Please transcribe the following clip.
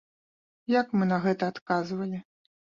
Як мы на гэта адказвалі?